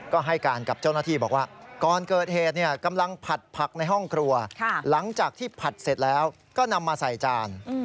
ก็ให้การกับเจ้าหน้าที่บอกว่าก่อนเกิดเหตุกำลังผัดผักในห้องครัวหลังจากที่ผัดเสร็จแล้วก็นำมาใส่จาน